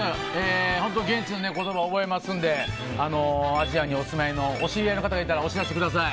現地の言葉を覚えますんでアジアにお住まいのお知り合いの方がいたらお知らせください。